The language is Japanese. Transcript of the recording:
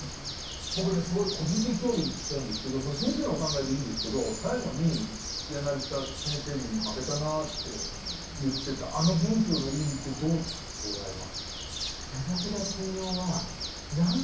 僕はねすごい個人的興味で聞きたいんですけど先生のお考えでいいんですけど最後に柳田先生に負けたなって言ってたあの文章の意味ってどう捉えます？